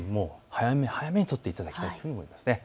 早め早めにとっていただきたいと思います。